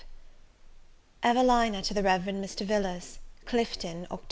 EVELINA TO THE REV. MR. VILLARS. Clifton, Oct.